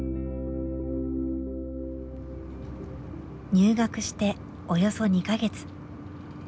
入学しておよそ２か月。